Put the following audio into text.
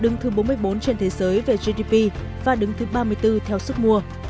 đứng thứ bốn mươi bốn trên thế giới về gdp và đứng thứ ba mươi bốn theo suốt mùa